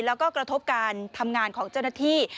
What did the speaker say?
แล้วก็กระทบการทำงานของเจ้าหน้าที่